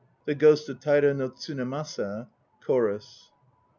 THE GHOST OF TAIRA NO TSUNEMASA. CHORUS.